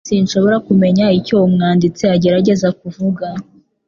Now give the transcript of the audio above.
Sinshobora kumenya icyo umwanditsi agerageza kuvuga